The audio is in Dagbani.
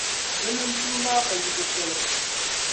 Bɛ nintua maa ka yiko shɛli.